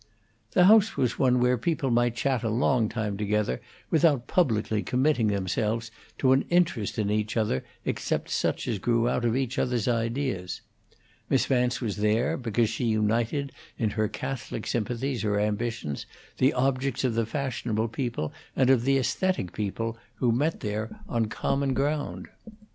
The house was one where people might chat a long time together without publicly committing themselves to an interest in each other except such as grew out of each other's ideas. Miss Vance was there because she united in her catholic sympathies or ambitions the objects of the fashionable people and of the aesthetic people who met there on common ground.